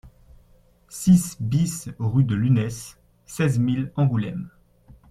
six BIS rue de Lunesse, seize mille Angoulême